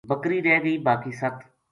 بکری رہ گئی باقی ست